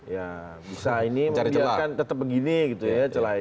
ya bisa ini tetap begini gitu ya celaya